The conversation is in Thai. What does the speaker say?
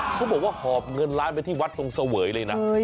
เขาบอกว่าหอบเงินล้านไปที่วัดทรงเสวยเลยนะ